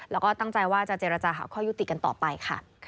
แล้วก็ตั้งใจว่าจะเจรจาหาข้อยุติกันต่อไปค่ะ